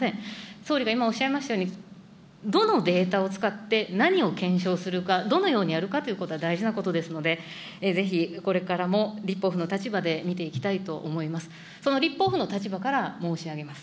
総理が今、おっしゃいましたように、どのデータを使って、何を検証するか、どのようにやるかということは大事なことですので、ぜひこれからも立法府の立場で見ていきたいと思います。